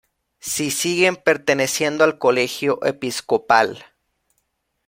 Sí siguen perteneciendo al Colegio Episcopal.